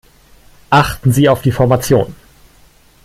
Achten Sie auf die Formation.